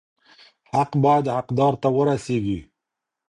حق بايد حقدار ته ورسيږي.